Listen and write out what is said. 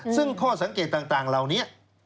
ซึ่งข้อสังเกตต่างเหล่านี้